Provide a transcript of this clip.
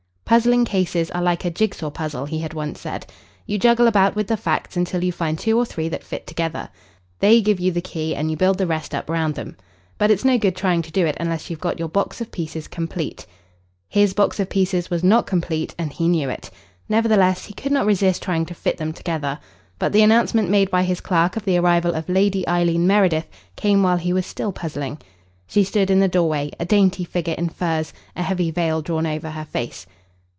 "Puzzling cases are like a jig saw puzzle," he had once said. "You juggle about with the facts until you find two or three that fit together. They give you the key, and you build the rest up round 'em. But it's no good trying to do it unless you've got your box of pieces complete." His box of pieces was not complete, and he knew it. Nevertheless, he could not resist trying to fit them together. But the announcement made by his clerk of the arrival of Lady Eileen Meredith came while he was still puzzling. She stood in the doorway, a dainty figure in furs, a heavy veil drawn over her face.